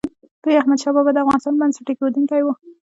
لوی احمدشاه بابا د افغانستان بنسټ ایښودونکی و.